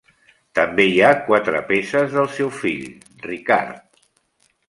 També hi ha quatre peces del seu fill, Ricard.